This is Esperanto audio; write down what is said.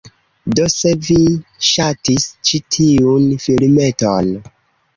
Do, se vi ŝatis ĉi tiun filmeton..